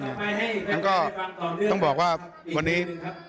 งั้นก็ต้องบอกว่าวันนี้